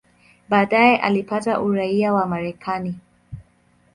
Baadaye alipata uraia wa Marekani.